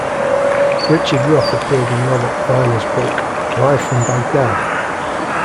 Richard Roth appeared in Robert Wiener's book "Live from Baghdad".